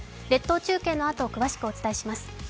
列島中継のあと、詳しくお伝えします。